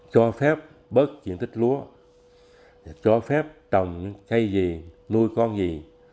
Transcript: cho phép bớt diện tích lúa cho phép trồng cây gì nuôi con gì